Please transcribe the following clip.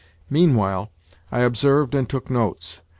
Meanwhile, I observed and took notes.